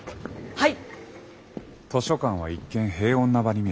はい！